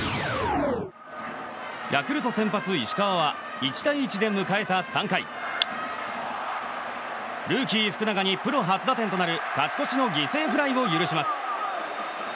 ヤクルト先発、石川は１対１で迎えた３回ルーキー福永にプロ初打点となる勝ち越しの犠牲フライを許します。